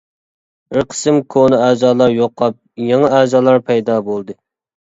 بىر قىسىم كونا ئەزالار يوقاپ، يېڭى ئەزالار پەيدا بولدى.